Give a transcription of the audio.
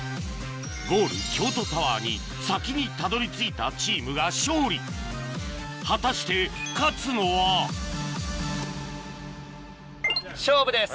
ゴール京都タワーに先にたどり着いたチームが勝利果たして勝つのは⁉勝負です。